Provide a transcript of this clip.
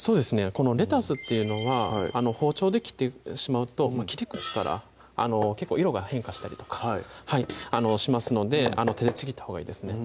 このレタスっていうのは包丁で切ってしまうと切り口から結構色が変化したりとかしますので手でちぎったほうがいいですね